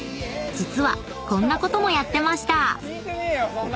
［実はこんなこともやってました！］